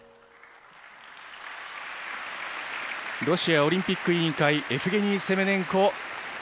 ロシアオリンピック委員会エフゲニー・セメネンコ。